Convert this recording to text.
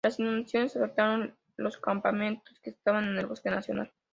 Las inundaciones afectaron los campamentos que estaban en el Bosque Nacional.